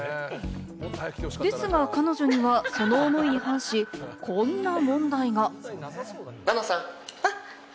ですが、彼女にはその思いに反し、こんな問題が。